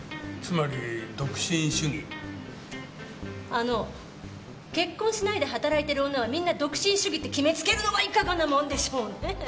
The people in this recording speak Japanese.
あの結婚しないで働いてる女はみんな独身主義って決めつけるのはいかがなもんでしょうね！